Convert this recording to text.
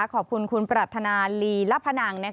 ขอบคุณคุณปรัฐนาลีลพนัง